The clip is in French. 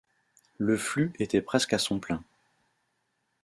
Le flux était presque à son plein.